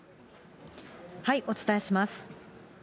お伝えします。